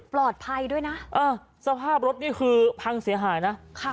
ปลอดภัยด้วยนะเออสภาพรถนี่คือพังเสียหายนะค่ะ